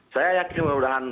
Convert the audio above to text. saya yakin kebanggaan